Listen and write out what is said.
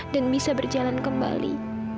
dan bisa berjalan kembali